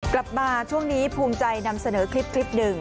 กลับมาช่วงนี้ภูมิใจนำเสนอคลิปหนึ่ง